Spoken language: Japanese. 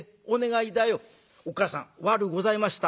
「おっ母さん悪うございました。